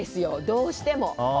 どうしても。